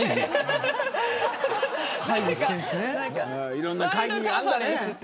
いろんな会議があるんだね。